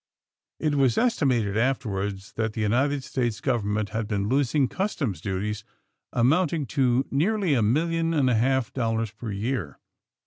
It was estimated, afterward, that tlie United States Government had been losing customs duties amounting to nearly a million and a half dollars per year.